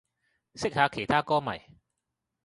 識下其他歌迷